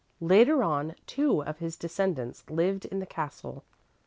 "Later on two of his descendants lived in the castle.